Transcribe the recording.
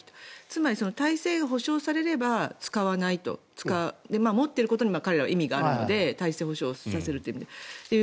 つまり、体制が保証されれば使えないと。持っていることに彼らは意味があるので体制保証をさせるという意味で。